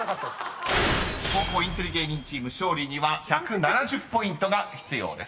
［後攻インテリ芸人チーム勝利には１７０ポイントが必要です］